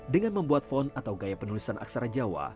dengan membuat font atau gaya penulisan aksara jawa